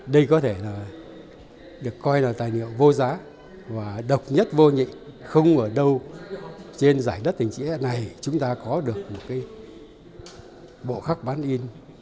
đây có thể được coi là tài liệu vô giá và độc nhất vô nhị không ở đâu trên giải đất hình chữ này chúng ta có được một bộ khắc bán in